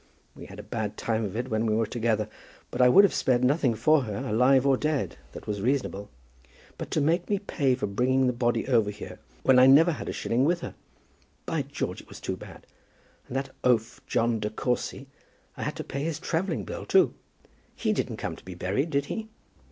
We had a bad time of it when we were together, but I would have spared nothing for her, alive or dead, that was reasonable. But to make me pay for bringing the body over here, when I never had a shilling with her! By George, it was too bad. And that oaf John De Courcy, I had to pay his travelling bill too." "He didn't come to be buried; did he?"